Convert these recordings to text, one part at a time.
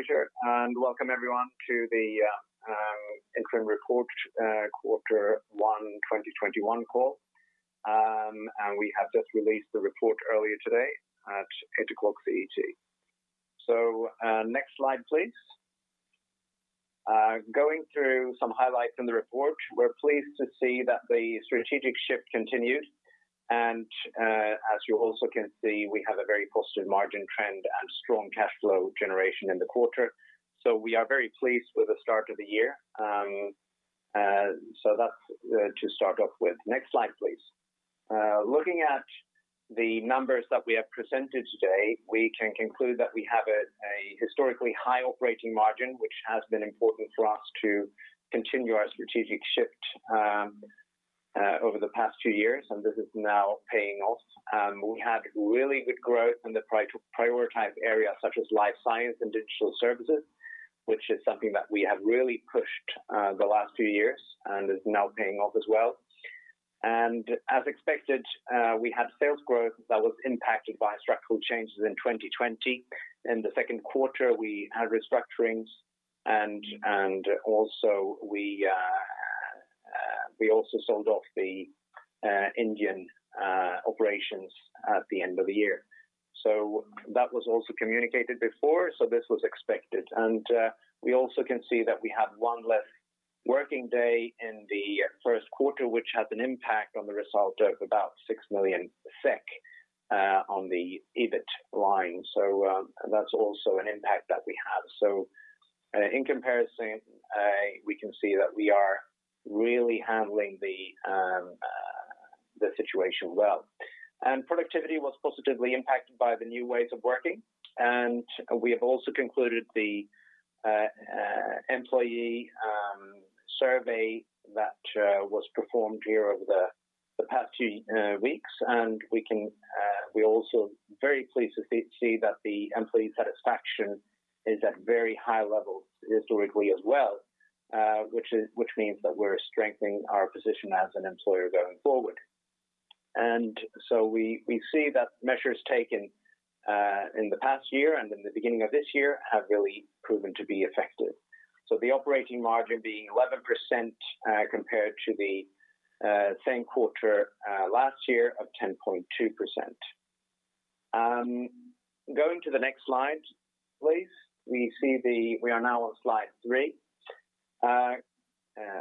Good day all and welcome everyone to the interim report Q1 2021 call. We have just released the report earlier today at 8:00 CET. Next slide please. Going through some highlights in the report, we're pleased to see that the strategic shift continued. As you also can see, we have a very positive margin trend and strong cash flow generation in the quarter. We are very pleased with the start of the year. That's to start off with. Next slide, please. Looking at the numbers that we have presented today, we can conclude that we have a historically high operating margin, which has been important for us to continue our strategic shift over the past two years, and this is now paying off. We had really good growth in the prioritized areas such as life science and digital services, which is something that we have really pushed the last two years and is now paying off as well. As expected, we had sales growth that was impacted by structural changes in 2020. In the second quarter, we had restructurings and we also sold off the Indian operations at the end of the year. That was also communicated before, so this was expected. We also can see that we have one less working day in the first quarter, which has an impact on the result of about 6 million SEK on the EBIT line. That's also an impact that we have. In comparison, we can see that we are really handling the situation well. Productivity was positively impacted by the new ways of working, and we have also concluded the employee survey that was performed here over the past two weeks. We are also very pleased to see that the employee satisfaction is at very high levels historically as well, which means that we're strengthening our position as an employer going forward. We see that measures taken in the past year and in the beginning of this year have really proven to be effective. The operating margin being 11% compared to the same quarter last year of 10.2%. Going to the next slide please. We are now on slide three.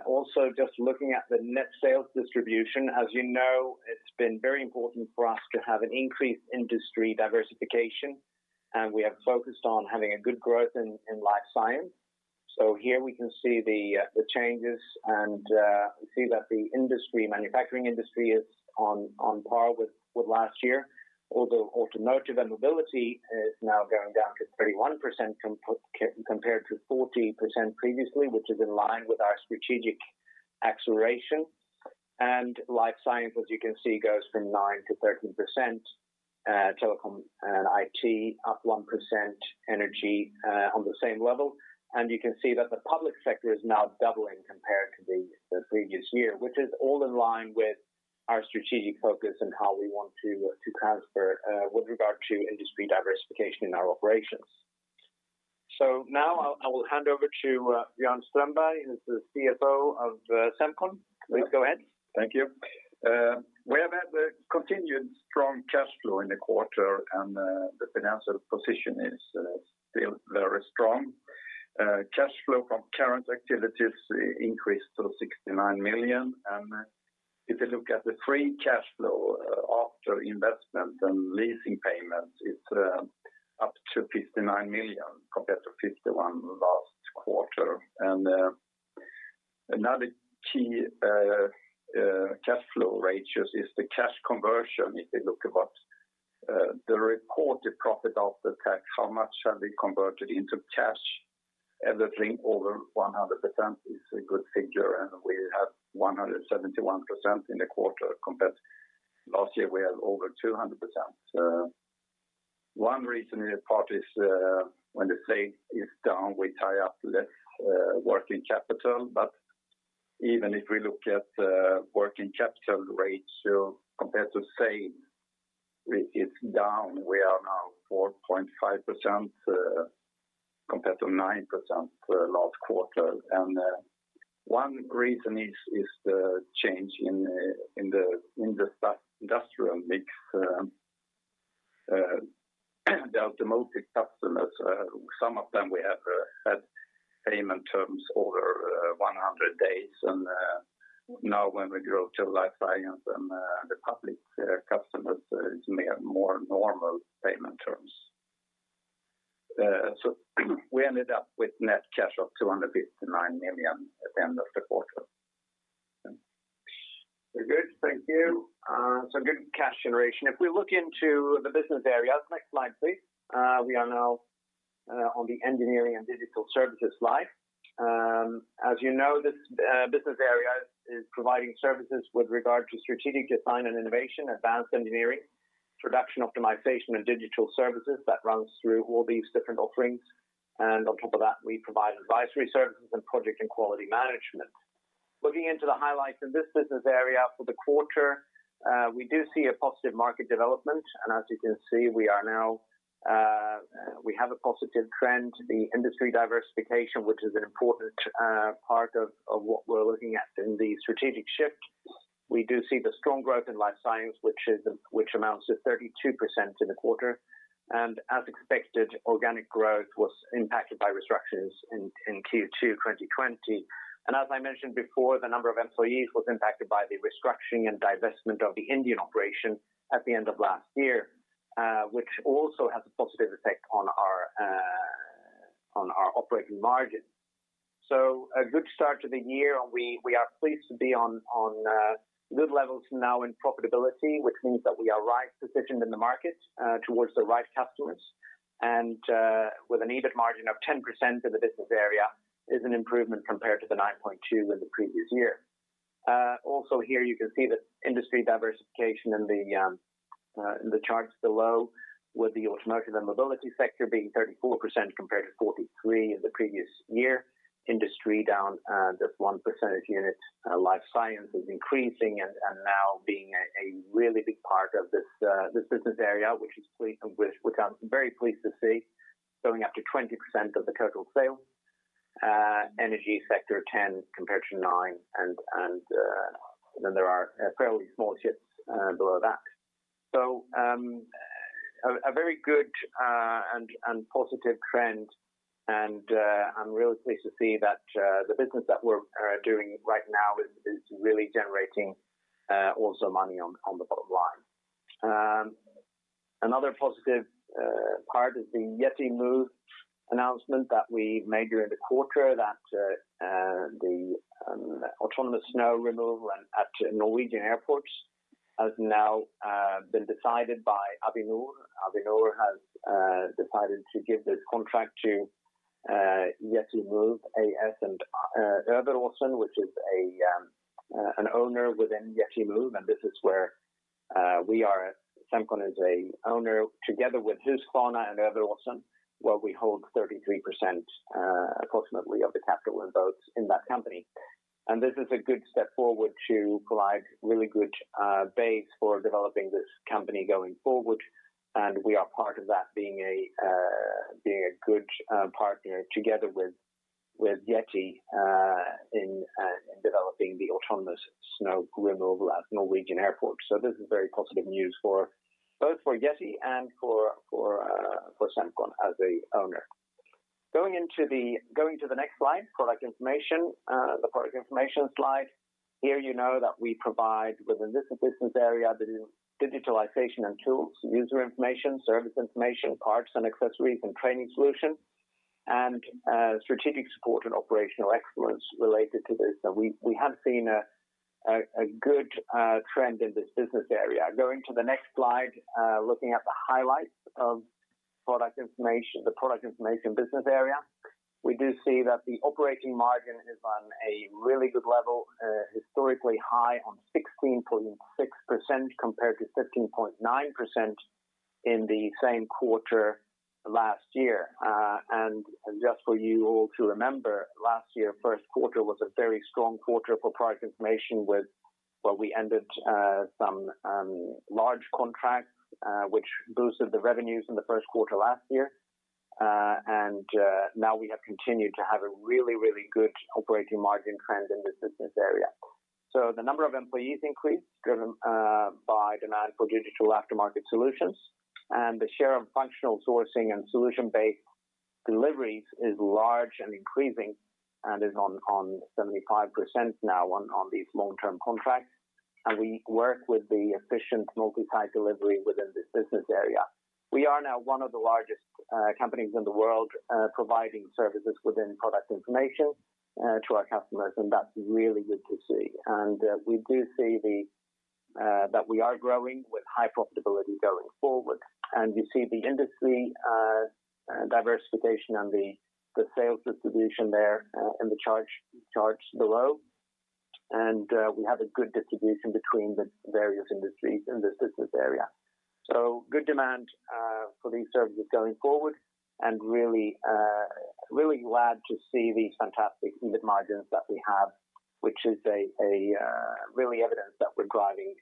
Also just looking at the net sales distribution. As you know, it's been very important for us to have an increased industry diversification, and we have focused on having a good growth in life science. Here we can see the changes and we see that the manufacturing industry is on par with last year, although automotive and mobility is now going down to 31% compared to 40% previously, which is in line with our strategic acceleration. Life science, as you can see, goes from 9%-13%. Telecom and IT up 1%, energy on the same level. You can see that the public sector is now doubling compared to the previous year, which is all in line with our strategic focus and how we want to transfer with regard to industry diversification in our operations. Now I will hand over to Björn Strömberg, who's the CFO of Semcon. Please go ahead. Thank you. We have had a continued strong cash flow in the quarter, and the financial position is still very strong. Cash flow from current activities increased to 69 million. If you look at the free cash flow after investment and leasing payments, it's up to 59 million compared to 51 last quarter. Another key cash flow ratio is the cash conversion. If you look at what the reported profit after tax, how much have we converted into cash? Everything over 100% is a good figure, and we have 171% in the quarter compared last year we had over 200%. One reason in part is when the sale is down, we tie up less working capital. Even if we look at working capital ratio compared to sale, it's down. We are now 4.5% compared to 9% for last quarter. One reason is the change in the industrial mix. The automotive customers, some of them we have had payment terms over 100 days, and now when we go to life science and the public customers, it's more normal payment terms. We ended up with net cash of 259 million at the end of the quarter. Very good, thank you. Good cash generation. If we look into the business areas, next slide please. We are now on the Engineering & Digital Services slide. As you know, this business area is providing services with regard to strategic design and innovation, advanced engineering, production optimization and digital services that runs through all these different offerings. On top of that, we provide advisory services and project and quality management. Looking into the highlights in this business area for the quarter, we do see a positive market development. As you can see, we have a positive trend, the industry diversification, which is an important part of what we're looking at in the strategic shift. We do see the strong growth in life science, which amounts to 32% in the quarter. As expected, organic growth was impacted by restructures in Q2 2020. As I mentioned before, the number of employees was impacted by the restructuring and divestment of the Indian operation at the end of last year, which also has a positive effect on our operating margin. A good start to the year, and we are pleased to be on good levels now in profitability, which means that we are right positioned in the market towards the right customers. With an EBIT margin of 10% in the business area is an improvement compared to the 9.2% in the previous year. Also here you can see the industry diversification in the charts below with the automotive and mobility sector being 34% compared to 43% in the previous year. Industry down just one percentage unit. Life science is increasing and now being a really big part of this business area, which I'm very pleased to see, going up to 20% of the total sale. Energy sector 10 compared to nine, and then there are fairly small shifts below that. A very good and positive trend and I'm really pleased to see that the business that we're doing right now is really generating also money on the bottom line. Another positive part is the Yeti Move announcement that we made during the quarter that the autonomous snow removal at Norwegian airports has now been decided by Avinor. Avinor has decided to give this contract to Yeti Move AS and Øveraasen, which is an owner within Yeti Move, and this is where Semcon is a owner together with Husqvarna and Øveraasen, where we hold 33%, approximately of the capital and votes in that company. This is a good step forward to provide really good base for developing this company going forward. We are part of that being a good partner together with Yeti Move AS in developing the autonomous snow removal at Norwegian airports. This is very positive news both for Yeti Move AS and for Semcon as a owner. Going to the next slide, Product Information slide. Here you know that we provide within this business area, the digitalization and tools, user information, service information, parts and accessories, and training solution, and strategic support and operational excellence related to this. We have seen a good trend in this business area. Going to the next slide, looking at the highlights of the Product Information business area, we do see that the operating margin is on a really good level, historically high on 16.6% compared to 15.9% in the same quarter last year. Just for you all to remember, last year first quarter was a very strong quarter for Product Information where we ended some large contracts, which boosted the revenues in the first quarter last year. Now we have continued to have a really, really good operating margin trend in this business area. The number of employees increased driven by demand for digital aftermarket solutions. The share of functional sourcing and solution-based deliveries is large and increasing, and is on 75% now on these long-term contracts. We work with the efficient multi-site delivery within this business area. We are now one of the largest companies in the world providing services within Product Information to our customers, and that's really good to see. We do see that we are growing with high profitability going forward. You see the industry diversification and the sales distribution there in the charts below. We have a good distribution between the various industries in this business area. Good demand for these services going forward and really glad to see these fantastic EBIT margins that we have, which is a really evidence that we're driving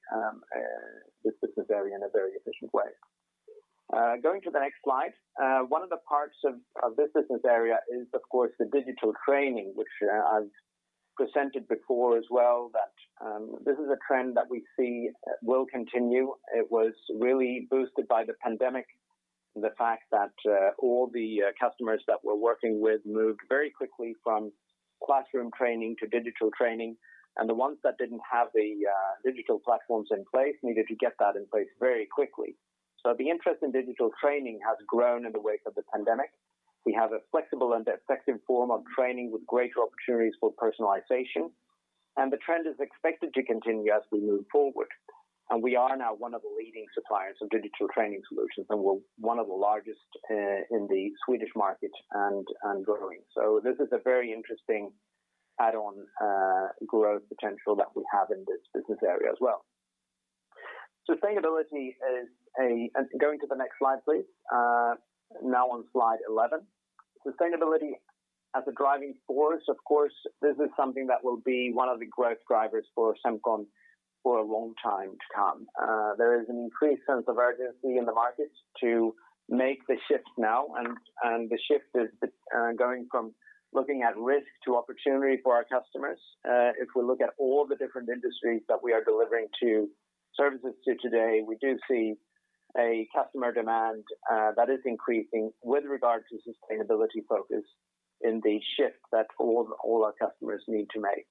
this business area in a very efficient way. Going to the next slide. One of the parts of this business area is, of course, the digital training, which I've presented before as well that this is a trend that we see will continue. It was really boosted by the pandemic, the fact that all the customers that we're working with moved very quickly from classroom training to digital training, and the ones that didn't have the digital platforms in place needed to get that in place very quickly. The interest in digital training has grown in the wake of the pandemic. We have a flexible and effective form of training with greater opportunities for personalization, and the trend is expected to continue as we move forward. We are now one of the leading suppliers of digital training solutions, and we're one of the largest in the Swedish market and growing. This is a very interesting add-on growth potential that we have in this business area as well. Going to the next slide, please. Now on slide 11. Sustainability as a driving force. Of course, this is something that will be one of the growth drivers for Semcon for a long time to come. There is an increased sense of urgency in the market to make the shift now, and the shift is going from looking at risk to opportunity for our customers. If we look at all the different industries that we are delivering services to today, we do see a customer demand that is increasing with regard to sustainability focus in the shift that all our customers need to make.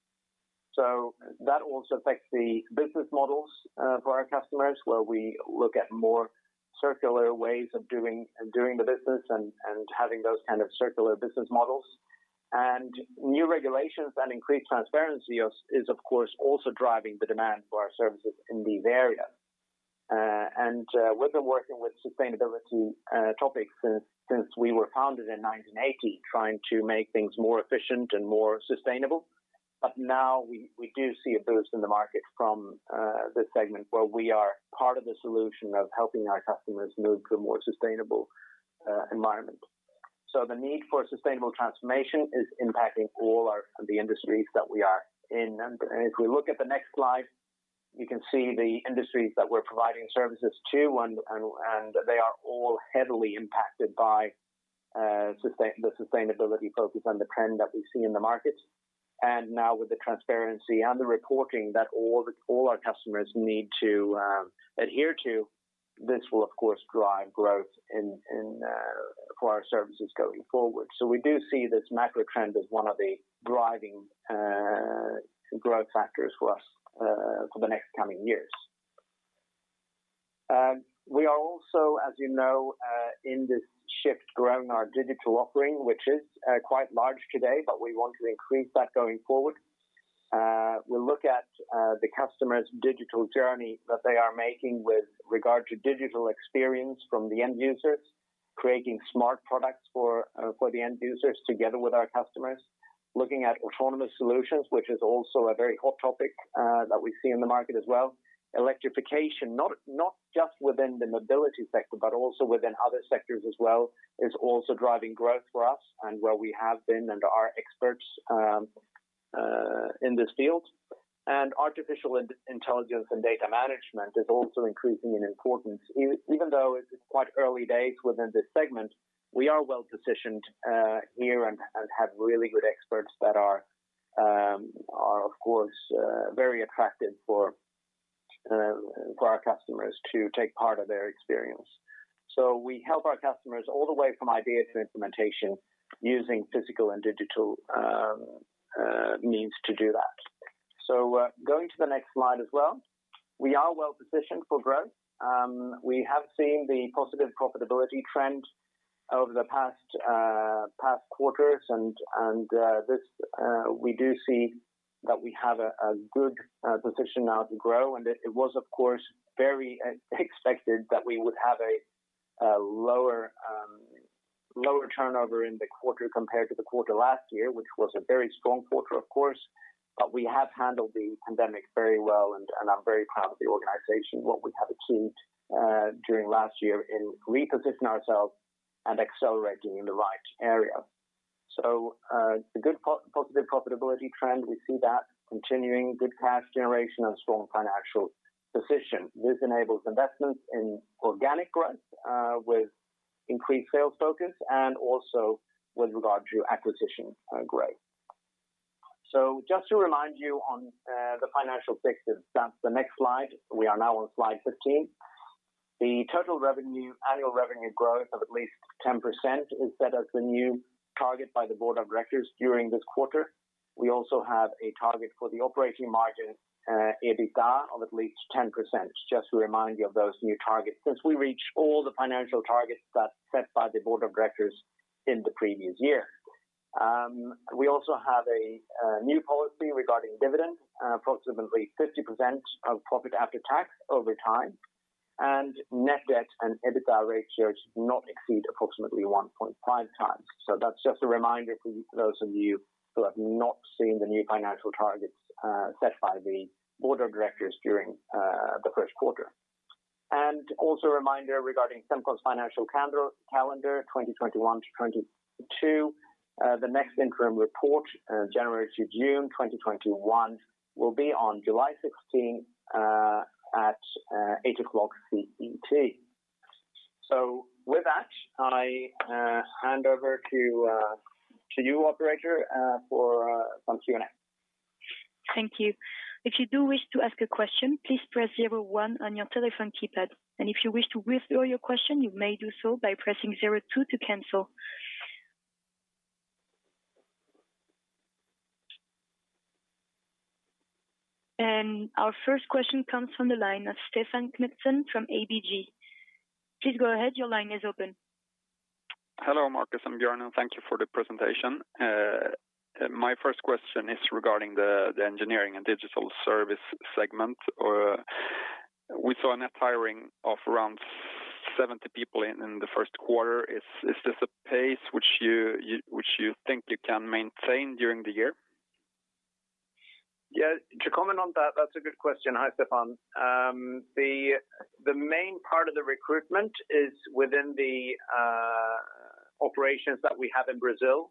That also affects the business models for our customers, where we look at more circular ways of doing the business and having those kind of circular business models. New regulations and increased transparency is, of course, also driving the demand for our services in these areas. We've been working with sustainability topics since we were founded in 1980, trying to make things more efficient and more sustainable. Now we do see a boost in the market from this segment where we are part of the solution of helping our customers move to more sustainable environments. The need for sustainable transformation is impacting all of the industries that we are in. If we look at the next slide, you can see the industries that we're providing services to, and they are all heavily impacted by the sustainability focus and the trend that we see in the market. Now with the transparency and the reporting that all our customers need to adhere to, this will, of course, drive growth for our services going forward. We do see this macro trend as one of the driving growth factors for us for the next coming years. We are also, as you know, in this shift growing our digital offering, which is quite large today, but we want to increase that going forward. We look at the customer's digital journey that they are making with regard to digital experience from the end users, creating smart products for the end users together with our customers. Looking at autonomous solutions, which is also a very hot topic that we see in the market as well. Electrification, not just within the mobility sector, but also within other sectors as well, is also driving growth for us and where we have been and are experts in this field. Artificial intelligence and data management is also increasing in importance. Even though it's quite early days within this segment, we are well-positioned here and have really good experts that are, of course, very attractive for our customers to take part of their experience. We help our customers all the way from idea to implementation using physical and digital means to do that. Going to the next slide as well. We are well positioned for growth. We have seen the positive profitability trend over the past quarters and we do see that we have a good position now to grow. It was, of course, very expected that we would have a lower turnover in the quarter compared to the quarter last year, which was a very strong quarter, of course. We have handled the pandemic very well, and I'm very proud of the organization, what we have achieved during last year in repositioning ourselves and accelerating in the right area. The good positive profitability trend, we see that continuing. Good cash generation and strong financial position. This enables investments in organic growth with increased sales focus and also with regard to acquisition growth. Just to remind you on the financial fixes, that's the next slide. We are now on slide 15. The total annual revenue growth of at least 10% is set as the new target by the board of directors during this quarter. We also have a target for the operating margin, EBITDA, of at least 10%, just to remind you of those new targets since we reached all the financial targets that set by the board of directors in the previous year. We also have a new policy regarding dividends, approximately 50% of profit after tax over time, and net debt and EBITDA ratios not exceed approximately 1.5x. That's just a reminder for those of you who have not seen the new financial targets set by the board of directors during the first quarter. Also a reminder regarding Semcon's financial calendar 2021 to 2022. The next interim report, January to June 2021, will be on July 16th at 8:00 CET. With that, I hand over to you operator for some Q&A. Thank you. If you do wish to ask a question, please press zero one on your telephone keypad. If you wish to withdraw your question, you may do so by pressing zero two to cancel. Our first question comes from the line of Stefan Knutsson from ABG. Please go ahead. Your line is open. Hello, Markus and Björn, thank you for the presentation. My first question is regarding the Engineering & Digital Services segment. We saw a net hiring of around 70 people in the first quarter. Is this a pace which you think you can maintain during the year? To comment on that's a good question. Hi, Stefan. The main part of the recruitment is within the operations that we have in Brazil.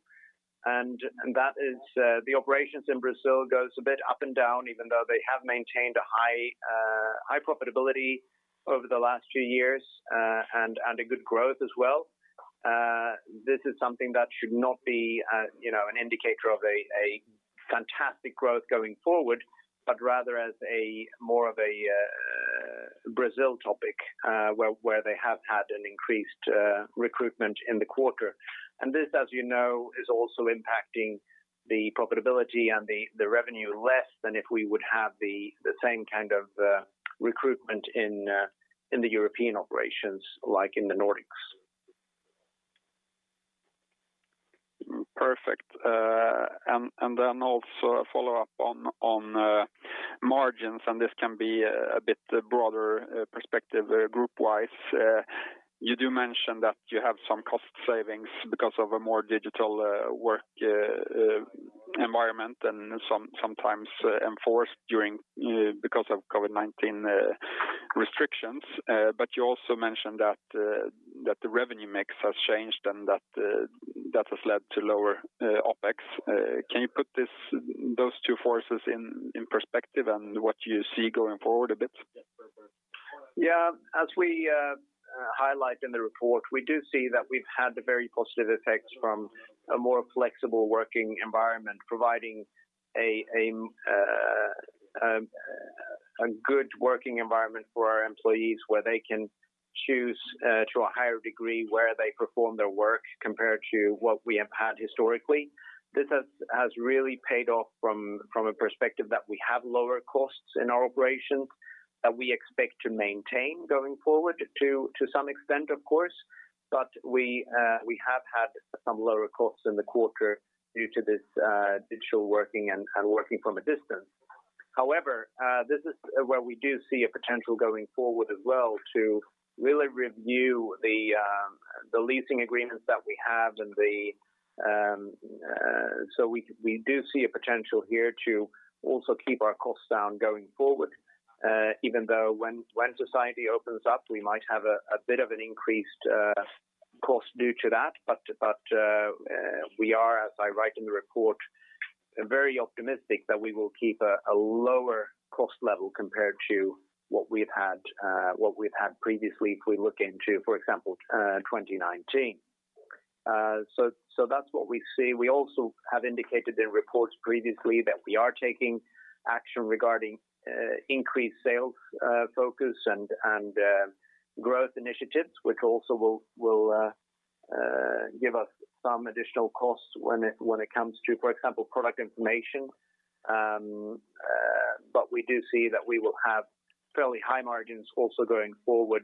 The operations in Brazil goes a bit up and down, even though they have maintained a high profitability over the last few years and a good growth as well. This is something that should not be an indicator of a fantastic growth going forward, but rather as more of a Brazil topic where they have had an increased recruitment in the quarter. This, as you know, is also impacting the profitability and the revenue less than if we would have the same kind of recruitment in the European operations, like in the Nordics. Also a follow-up on margins, and this can be a bit broader perspective group-wise. You do mention that you have some cost savings because of a more digital work environment and sometimes enforced because of COVID-19 restrictions. You also mentioned that the revenue mix has changed and that has led to lower OpEx. Can you put those two forces in perspective and what you see going forward a bit? As we highlight in the report, we do see that we've had very positive effects from a more flexible working environment, providing a good working environment for our employees where they can choose to a higher degree where they perform their work compared to what we have had historically. This has really paid off from a perspective that we have lower costs in our operations that we expect to maintain going forward to some extent, of course. We have had some lower costs in the quarter due to this digital working and working from a distance. However, this is where we do see a potential going forward as well to really review the leasing agreements that we have, so we do see a potential here to also keep our costs down going forward. When society opens up, we might have a bit of an increased cost due to that. We are, as I write in the report, very optimistic that we will keep a lower cost level compared to what we've had previously if we look into, for example, 2019. That's what we see. We also have indicated in reports previously that we are taking action regarding increased sales focus and growth initiatives, which also will give us some additional costs when it comes to, for example, Product Information. We do see that we will have fairly high margins also going forward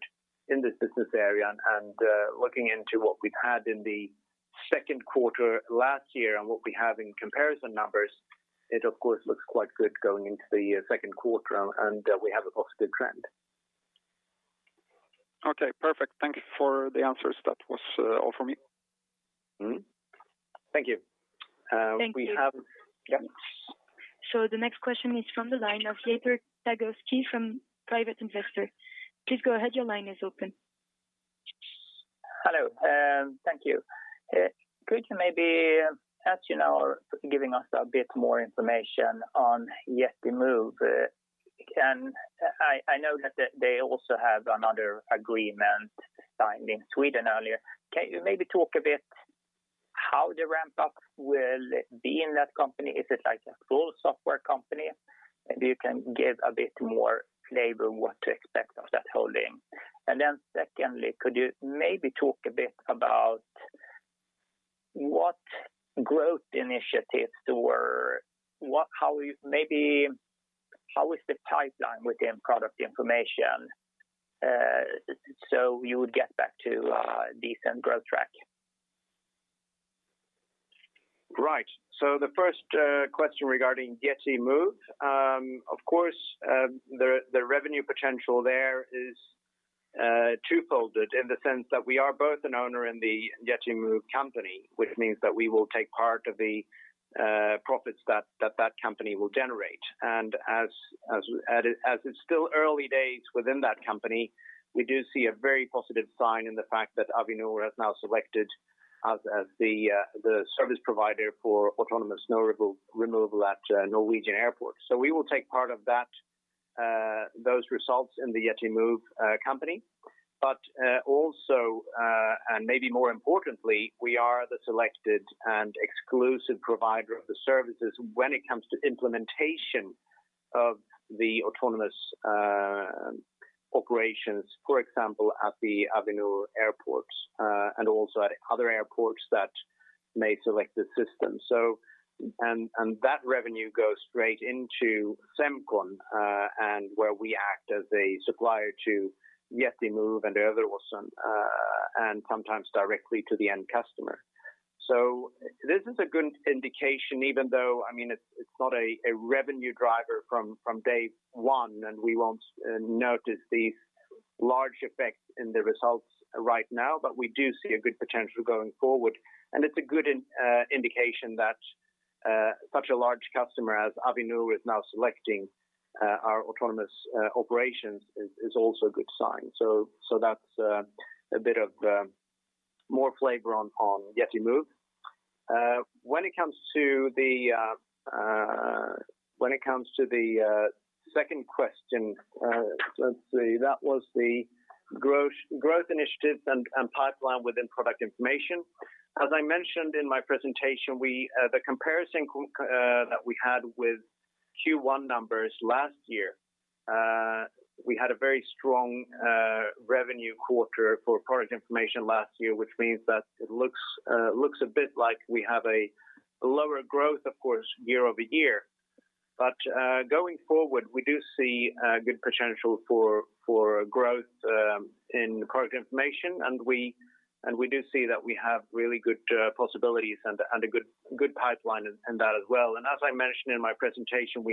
in this business area. Looking into what we've had in the second quarter last year and what we have in comparison numbers, it of course looks quite good going into the second quarter, and we have a positive trend. Okay, perfect. Thank you for the answers. That was all from me. Thank you. Thank you. We have Yeah. The next question is from the line of Peter Tagosz from Private Investor. Please go ahead. Your line is open. Hello. Thank you. Could you maybe ask or giving us a bit more information on Yeti Move? I know that they also have another agreement signed in Sweden earlier. Can you maybe talk a bit how the ramp-up will be in that company? Is it like a full software company? Maybe you can give a bit more flavor on what to expect of that holding. secondly, could you maybe talk a bit about what growth initiatives there were? Maybe how is the timeline within Product Information so you would get back to a decent growth track? Right. The first question regarding Yeti Move. Of course, the revenue potential there is two-folded in the sense that we are both an owner in the Yeti Move company, which means that we will take part of the profits that that company will generate. As it's still early days within that company, we do see a very positive sign in the fact that Avinor has now selected us as the service provider for autonomous snow removal at Norwegian airports. We will take part of those results in the Yeti Move company. Also, and maybe more importantly, we are the selected and exclusive provider of the services when it comes to implementation of the autonomous operations, for example, at the Avinor airports, and also at other airports that may select the system. That revenue goes straight into Semcon, and where we act as a supplier to Yeti Move and Øveraasen, and sometimes directly to the end customer. This is a good indication, even though it's not a revenue driver from day one, and we won't notice this large effect in the results right now, but we do see a good potential going forward, and it's a good indication that such a large customer as Avinor is now selecting our autonomous operations is also a good sign. That's a bit of more flavor on Yeti Move. When it comes to the second question, let's see. That was the growth initiatives and pipeline within Product Information. As I mentioned in my presentation, the comparison that we had with Q1 numbers last year, we had a very strong revenue quarter for Product Information last year, which means that it looks a bit like we have a lower growth, of course, year-over-year. Going forward, we do see a good potential for growth in Product Information, and we do see that we have really good possibilities and a good pipeline in that as well. As I mentioned in my presentation,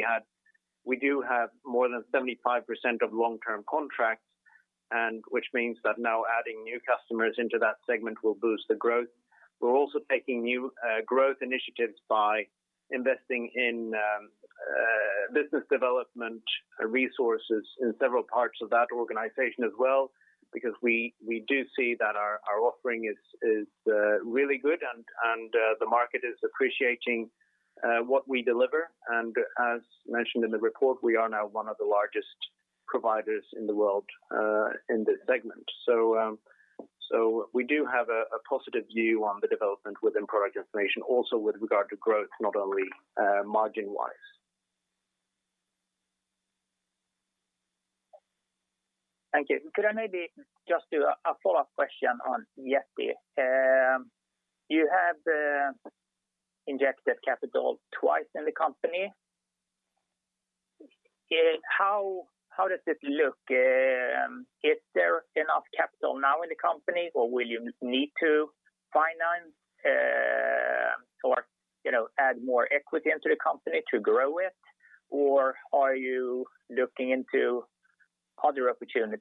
we do have more than 75% of long-term contracts, which means that now adding new customers into that segment will boost the growth. We're also taking new growth initiatives by investing in business development resources in several parts of that organization as well. We do see that our offering is really good and the market is appreciating what we deliver. As mentioned in the report, we are now one of the largest providers in the world in this segment. We do have a positive view on the development within Product Information, also with regard to growth, not only margin-wise. Thank you. Could I maybe just do a follow-up question on Yeti? You have injected capital twice in the company. How does it look? Is there enough capital now in the company, or will you need to finance or add more equity into the company to grow it? Are you looking into other opportunities?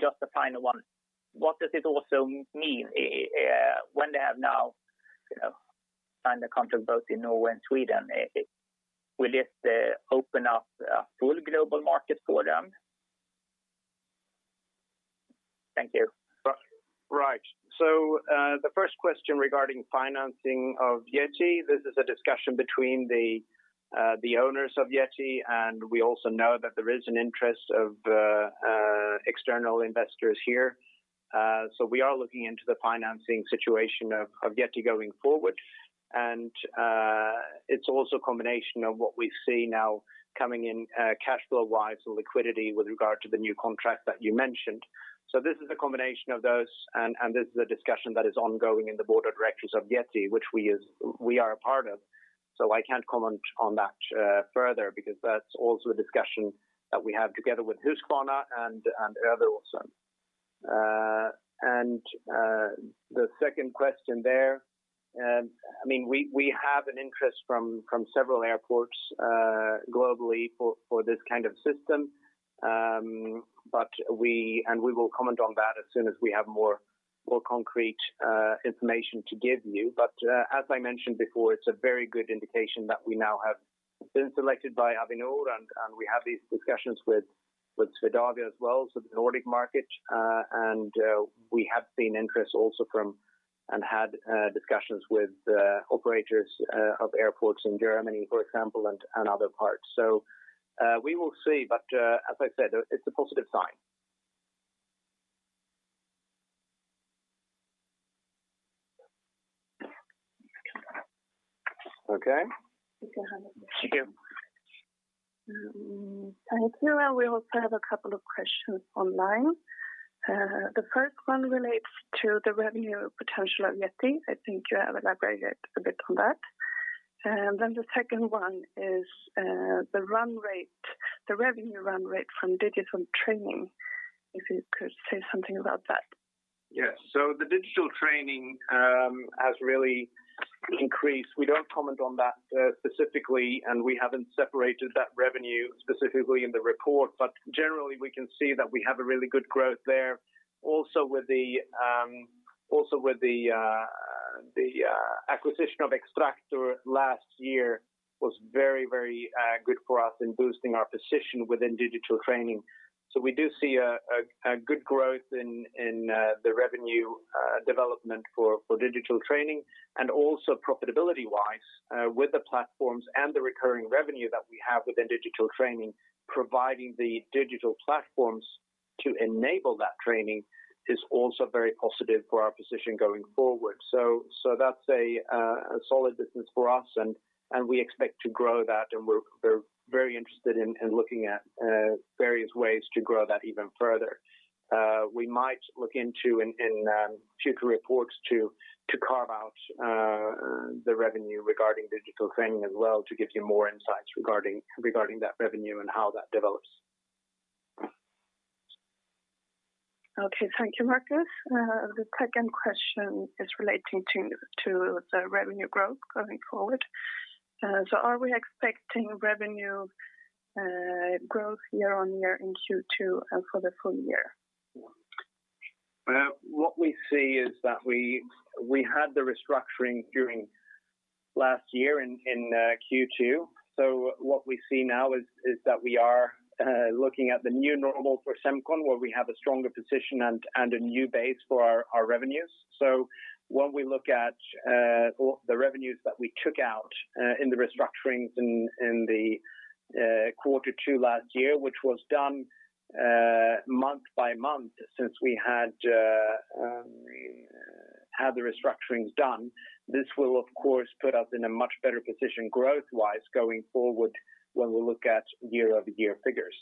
Just a final one, what does it also mean when they have now signed a contract both in Norway and Sweden? Will it open up a full global market for them? Thank you. Right. The first question regarding financing of Yeti, this is a discussion between the owners of Yeti, and we also know that there is an interest of external investors here. We are looking into the financing situation of Yeti going forward, and it's also a combination of what we see now coming in cash flow-wise and liquidity with regard to the new contract that you mentioned. This is a combination of those, and this is a discussion that is ongoing in the board of directors of Yeti, which we are a part of. I can't comment on that further because that's also a discussion that we have together with Husqvarna and Øveraasen also. The second question there, we have an interest from several airports globally for this kind of system, and we will comment on that as soon as we have more concrete information to give you. As I mentioned before, it's a very good indication that we now have been selected by Avinor, and we have these discussions with Swedavia as well, so the Nordic market. We have seen interest also from, and had discussions with operators of airports in Germany, for example, and other parts. We will see, but as I said, it's a positive sign. Okay. Thank you. Thank you. Here we also have a couple of questions online. The first one relates to the revenue potential of Yeti. I think you have elaborated a bit on that. The second one is the revenue run rate from digital training, if you could say something about that. The digital training has really increased. We don't comment on that specifically, and we haven't separated that revenue specifically in the report. Generally, we can see that we have a really good growth there. With the acquisition of Xtractor last year was very good for us in boosting our position within digital training. We do see a good growth in the revenue development for digital training and also profitability-wise with the platforms and the recurring revenue that we have within digital training. Providing the digital platforms to enable that training is also very positive for our position going forward. That's a solid business for us, and we expect to grow that, and we're very interested in looking at various ways to grow that even further. We might look into in future reports to carve out the revenue regarding digital training as well to give you more insights regarding that revenue and how that develops. Okay. Thank you, Markus. The second question is relating to the revenue growth going forward. Are we expecting revenue growth year-on-year in Q2 and for the full year? What we see is that we had the restructuring during last year in Q2. What we see now is that we are looking at the new normal for Semcon, where we have a stronger position and a new base for our revenues. When we look at the revenues that we took out in the restructurings in the quarter two last year, which was done month by month since we had the restructurings done, this will of course put us in a much better position growth-wise going forward when we look at year-over-year figures.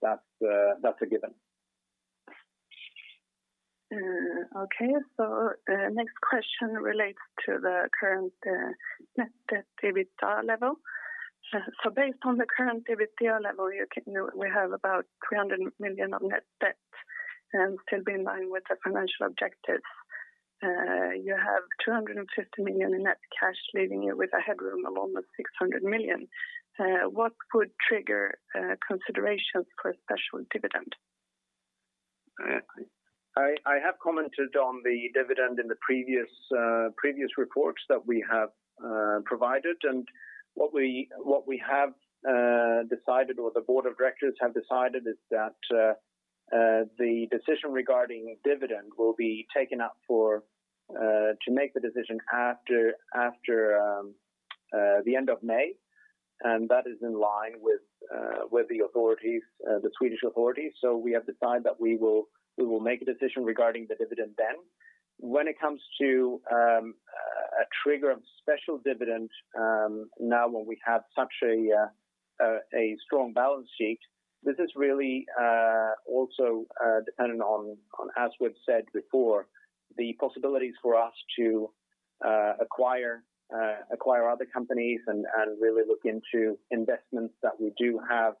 That's a given. Okay. The next question relates to the current net debt EBITDA level. Based on the current EBITDA level, we have about 300 million of net debt and still be in line with the financial objectives. You have 250 million in net cash, leaving you with a headroom of almost 600 million. What could trigger considerations for a special dividend? I have commented on the dividend in the previous reports that we have provided, and what we have decided, or the board of directors have decided, is that the decision regarding dividend will be taken up to make the decision after the end of May, and that is in line with the Swedish authorities. We have decided that we will make a decision regarding the dividend then. When it comes to a trigger of special dividend, now when we have such a strong balance sheet, this is really also dependent on, as we've said before, the possibilities for us to acquire other companies and really look into investments that we do have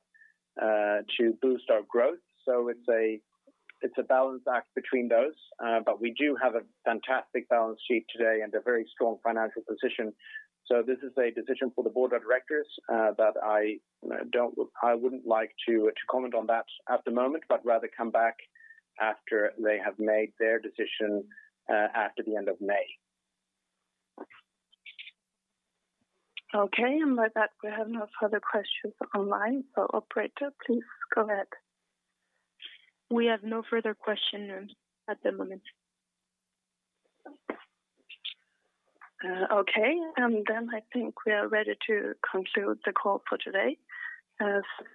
to boost our growth. It's a balance act between those. We do have a fantastic balance sheet today and a very strong financial position. This is a decision for the board of directors that I wouldn't like to comment on that at the moment, but rather come back after they have made their decision after the end of May. Okay. With that, we have no further questions online. Operator, please go ahead. We have no further questions at the moment. Okay. I think we are ready to conclude the call for today.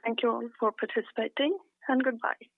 Thank you all for participating, and goodbye.